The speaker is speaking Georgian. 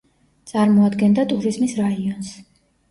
წარმოადგენდა ტურიზმის რაიონს.